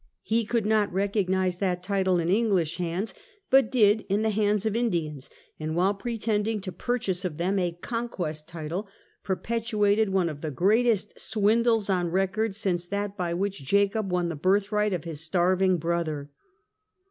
He could not recognize that title in English hands, but did in the hands of Indians, and while pretending to purchase of them a conquest title, perpetrated one of the greatest swindles on record since that by which Jacob won the birthright of his starving brother.